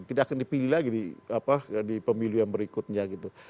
tidak akan dipilih lagi di pemilihan berikutnya gitu